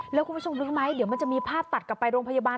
แล้วคุณผู้ชมนึกไหมเดี๋ยวมันจะมีภาพตัดกลับไปโรงพยาบาล